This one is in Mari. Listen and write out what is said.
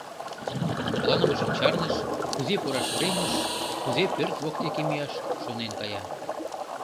Мутланымыжым чарныш, кузе пураш уремыш, кузе пӧрт воктеке мияш — шонен кая.